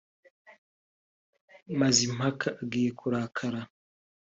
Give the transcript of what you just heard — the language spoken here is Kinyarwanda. Mazimpaka agiye kurakara